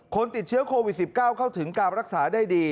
คนติดเชื้อโควิด๑๙เข้าถึงการรักษาได้ดี